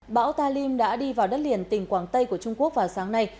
bão ta lim đã đi vào đất liền tỉnh quảng tây của trung quốc vào sáng nay